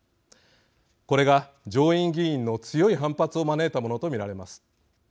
これが、上院議員の強い反発を招いたものと見られます。